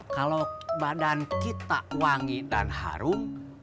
kalau badan kita wangi dan harum